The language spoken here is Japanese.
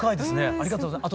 ありがとうございます。